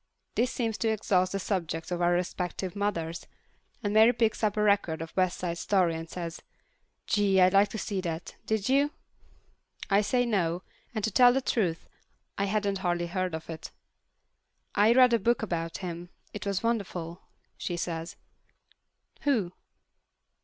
This seems to exhaust the subject of our respective mothers, and Mary picks up the record of West Side Story and says, "Gee, I'd like to see that. Did you?" I say No, and to tell the truth I hadn't hardly heard of it. "I read a book about him. It was wonderful," she says. "Who?"